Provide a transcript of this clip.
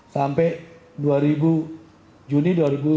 sampai juni dua ribu sembilan belas